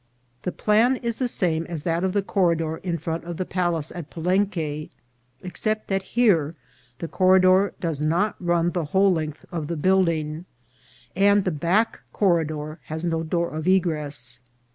The plan is the same as that of the corridor in front of the palace at Palenque, except that here the corridor does not run the whole length of the building, and the back corridor has no door of egress.